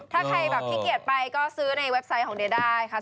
ถ้าใครแบบขี้เกียจไปก็ซื้อในเว็บไซต์ของเดียได้ค่ะ